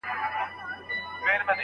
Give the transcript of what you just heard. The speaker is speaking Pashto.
پام چې له پامه يې يوه شېبه بې پامه نه کړې